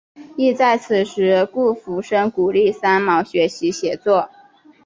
亦在此时顾福生鼓励三毛学习写作。